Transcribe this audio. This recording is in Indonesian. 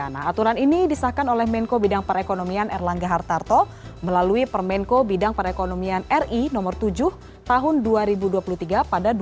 nah aturan ini disahkan oleh menko bidang perekonomian erlangga hartarto melalui permenko bidang perekonomian ri nomor tujuh tahun dua ribu dua puluh tiga pada dua puluh delapan agustus dua ribu dua puluh tiga yang lalu